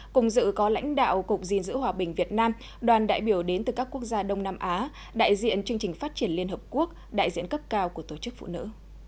cùng dự có lãnh đạo cục dình dữ hòa bình việt nam đoàn đại biểu đến từ các quốc gia đông nam á đại diện chương trình phát triển liên hợp quốc đại diện cấp cao của tổ chức phụ nữ